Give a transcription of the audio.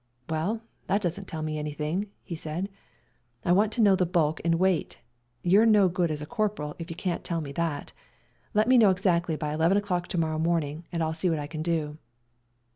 " Well, that doesn't tell me anything," he said ;" I want to know the bulk and weight : you're no good as a corporal if you can't tell me that. Let me know exactly by eleven o'clock to morrow morn ing, and I'll see what I can do."